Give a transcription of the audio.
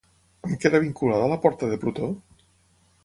Amb què era vinculada la Porta de Plutó?